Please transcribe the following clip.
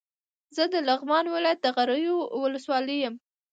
زه د لغمان ولايت د قرغيو ولسوالۍ يم